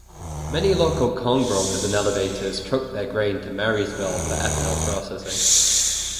Many local corn growers and elevators truck their grain to Marysville for ethanol processing.